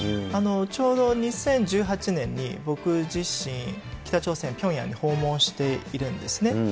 ちょうど２０１８年に僕自身、北朝鮮・ピョンヤンに訪問しているんですね。